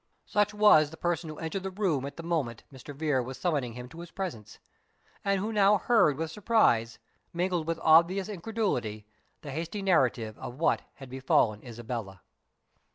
Such was the person who entered the room at the moment Mr. Vere was summoning him to his presence, and who now heard with surprise, mingled with obvious incredulity, the hasty narrative of what had befallen Isabella.